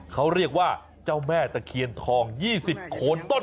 เขาเรียกว่าเจ้าแม่ตะเคียนทอง๒๐โคนต้น